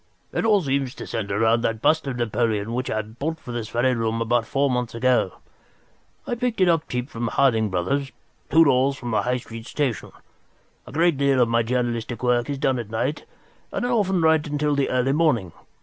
"It all seems to centre round that bust of Napoleon which I bought for this very room about four months ago. I picked it up cheap from Harding Brothers, two doors from the High Street Station. A great deal of my journalistic work is done at night, and I often write until the early morning.